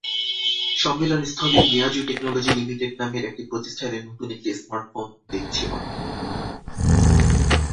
সম্মেলনস্থলে Miyazu technology limited নামের একটি প্রতিষ্ঠানে নতুন একটি স্মার্টফোন দেখছে অনেকে।